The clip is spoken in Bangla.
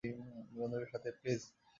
বন্ধুদের সাথে, প্লিজ?